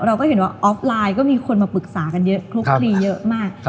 เราก็เห็นว่าออฟไลน์ก็มีคนมาปรึกษากันเยอะคลุกคลีเยอะมาก